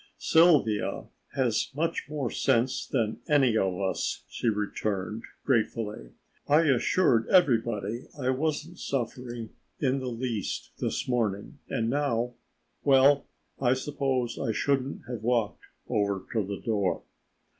"Sylvia has much more sense than any of us," she returned gratefully. "I assured everybody I wasn't suffering in the least this morning and now well, I suppose I shouldn't have walked over to the door."